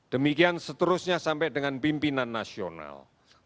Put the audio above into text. demikian seterusnya sampai dengan pimpinan nasional